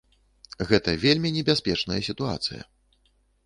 Гэта вельмі небяспечная сітуацыя.